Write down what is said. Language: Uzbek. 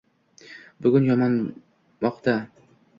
Bugun yonmoqda.